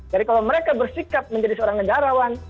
jadi kalau mereka bersikap menjadi seorang negarawan